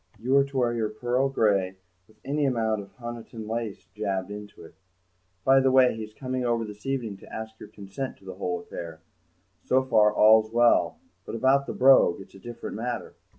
You are to wear your pearl grey, with any amount of Honiton lace jabbed into it. By the way, he's coming over this evening to ask your consent to the whole affair. So far all's well, but about the Brogue it's a different matter.